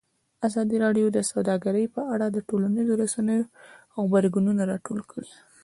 ازادي راډیو د سوداګري په اړه د ټولنیزو رسنیو غبرګونونه راټول کړي.